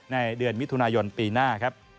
ในเดือนมิถุนายนปีหน้าครับ